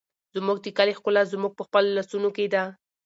زموږ د کلي ښکلا زموږ په خپلو لاسونو کې ده.